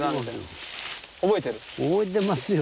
覚えてますよ